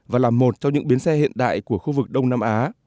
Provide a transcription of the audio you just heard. và là một trong những bến xe hiện đại của khu vực đông nam á